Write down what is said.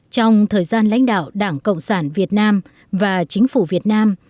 trong thời gian lãnh đạo đảng cộng sản việt nam và chính phủ việt nam